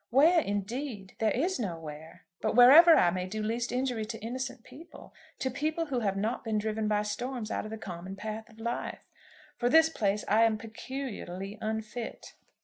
"Where indeed! There is no where. But wherever I may do least injury to innocent people, to people who have not been driven by storms out of the common path of life. For this place I am peculiarly unfit."